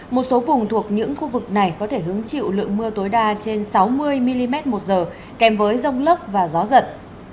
một số vùng thuộc những khu vực này có thể hứng chịu lượng mưa tối đa trên sáu mươi mm một giờ kèm với rông lốc và gió giật